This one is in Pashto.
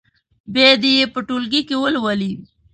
بیا دې یې په ټولګي کې ولولي.